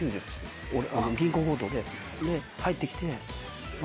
銀行強盗でんで入って来て。